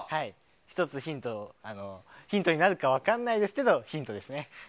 １つヒントになるか分からないですけどヒントですね。